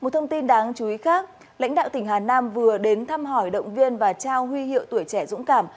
một thông tin đáng chú ý khác lãnh đạo tỉnh hà nam vừa đến thăm hỏi động viên và trao huy hiệu tuổi trẻ dũng cảm